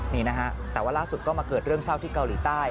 นี่นะฮะแต่ว่าล่าสุดก็มาเกิดเรื่องเศร้าที่เกาหลีใต้